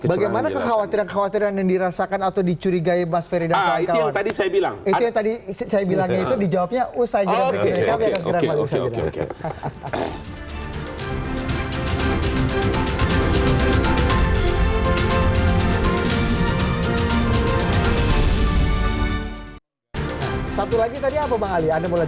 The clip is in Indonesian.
bagaimana kekhawatiran kekhawatiran yang dirasakan atau dicurigai mas ferry dan kawan kawan